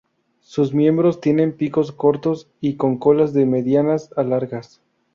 Sus miembros tienen picos cortos y con colas de medianas a largas.